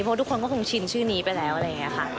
เพราะทุกคนก็คงชินชื่อนี้ไปแล้วอะไรอย่างนี้ค่ะ